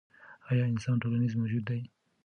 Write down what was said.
ایا انسان ټولنیز موجود دی؟